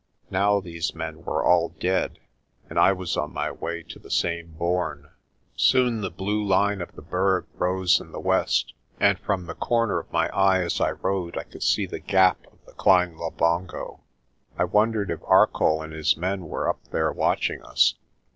Now these men were all dead, and I was on my way to the same bourne. Soon the blue line of the Berg rose in the west, and from the corner of my eye, as I rode, I could see the gap of the Klein Labongo. I wondered if Arcoll and his men were up there watching us.